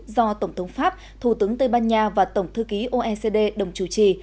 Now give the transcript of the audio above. do tổng thống pháp thủ tướng tây ban nha và tổng thư ký oecd đồng chủ trì